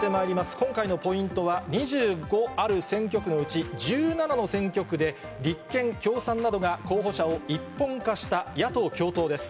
今回のポイントは、２５ある選挙区のうち、１７の選挙区で、立憲、共産などが候補者を一本化した野党共闘です。